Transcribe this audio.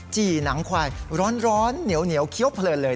ี่หนังควายร้อนเหนียวเคี้ยวเพลินเลย